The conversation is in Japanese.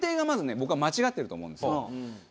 僕は間違ってると思うんですよ。